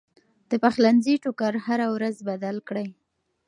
د پخلنځي ټوکر هره ورځ بدل کړئ.